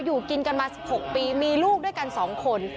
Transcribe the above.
อยู่กินกันมา๑๖ปีมีลูกด้วยกัน๒คน